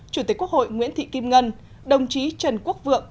chủ tịch quốc hội nguyễn thị kim ngân đồng chí trần quốc vượng